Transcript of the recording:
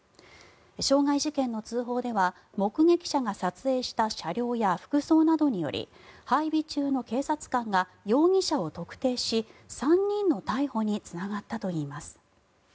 傷害事件の通報では目撃者が撮影した車両や服装などにより配備中の警察官が容疑者を特定し３人の逮捕につながったといいます。